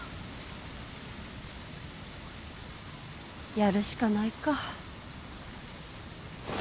やるしかないか。